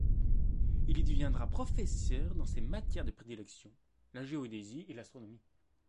Il y deviendra professeur dans ses matières de prédilection, la géodésie et l'astronomie.